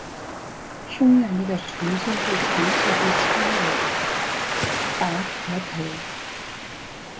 匈牙利的纯金币从此被称为达克特。